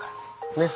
ねっ。